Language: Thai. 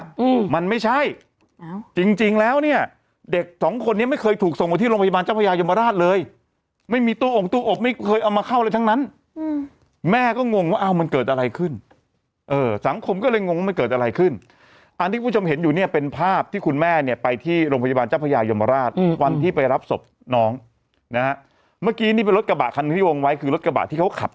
พี่แจงบอกว่ามันไม่ใช่จริงแล้วเนี่ยเด็กสองคนนี้ไม่เคยถูกส่งมาที่โรงพยาบาลเจ้าพยายมราชเลยไม่มีตัวองค์ตัวอบไม่เคยเอามาเข้าเลยทั้งนั้นแม่ก็งงว่ามันเกิดอะไรขึ้นสังคมก็เลยงงว่ามันเกิดอะไรขึ้นอันที่ผู้ชมเห็นอยู่เนี่ยเป็นภาพที่คุณแม่เนี่ยไปที่โรงพยาบาลเจ้าพยายมราชวันที่ไปรับศพน้องนะ